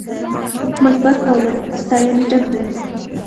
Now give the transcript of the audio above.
مثبت او له ستاينې ډک دي